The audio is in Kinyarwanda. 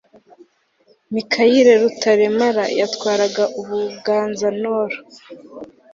Mikayire Rutaremara yatwaraga UbuganzaNord